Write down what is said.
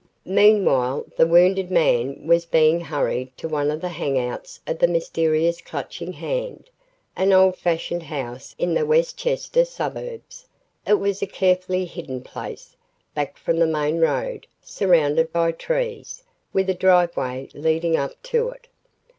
........ Meanwhile the wounded man was being hurried to one of the hangouts of the mysterious Clutching Hand, an old fashioned house in the Westchester suburbs. It was a carefully hidden place, back from the main road, surrounded by trees, with a driveway leading up to it.